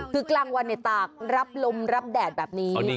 คือกลางวันตากรับลมรับแดดแบบนี้